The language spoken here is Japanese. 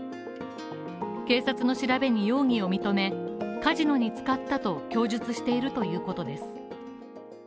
警察の調べに容疑を認め、カジノに使ったと供述しているということです。